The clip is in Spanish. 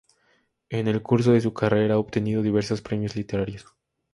En el curso de su carrera ha obtenido diversos premios literarios.